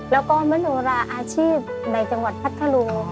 แล้วก็มโนราอาชีพในจังหวัดพัทธรุง